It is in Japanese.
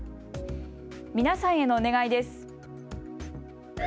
皆さんへのお願いです。